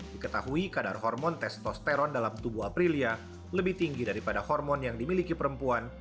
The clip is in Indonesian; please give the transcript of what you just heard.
diketahui kadar hormon testosteron dalam tubuh aprilia lebih tinggi daripada hormon yang dimiliki perempuan